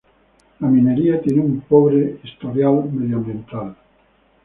La minería tiene un pobre historial medioambiental.